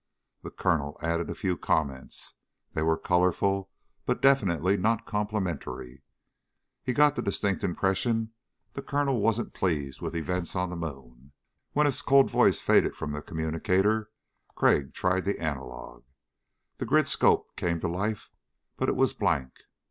The Colonel added a few comments. They were colorful but definitely not complimentary. He got the distinct impression the Colonel wasn't pleased with events on the moon. When his cold voice faded from the communicator, Crag tried the analog. The grid scope came to life but it was blank.